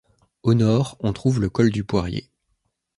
Au nord, on trouve le col du Poirier.